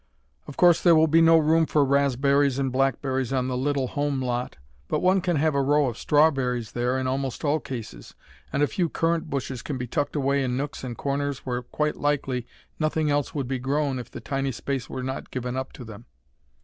Of course there will be no room for raspberries and blackberries on the little home lot, but one can have a row of strawberries there, in almost all cases, and a few currant bushes can be tucked away in nooks and corners where quite likely nothing else would be grown if the tiny space were not given up to them.